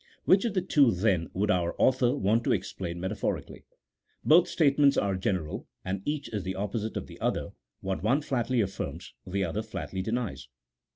Which of the two, then, would our author want to explain metaphorically ? Both state ments are general, and each is the opposite of the other — what one flatly affirms, the other flatly denies.